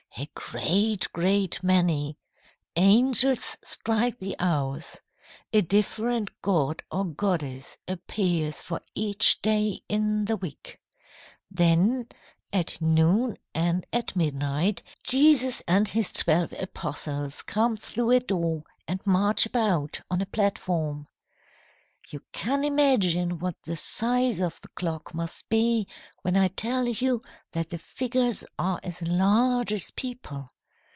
"A great, great many. Angels strike the hours. A different god or goddess appears for each day in the week. Then, at noon and at midnight, Jesus and his twelve apostles come out through a door and march about on a platform. "You can imagine what the size of the clock must be when I tell you that the figures are as large as people.